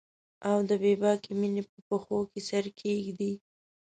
او د بې باکې میینې په پښو کې سر کښیږدي